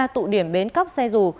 tám mươi ba tụ điểm bến cóc xe rù